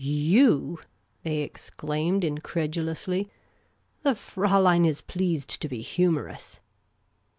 " You !" they exclaimed, incredulously. " TheFraulein is pleased to be humorous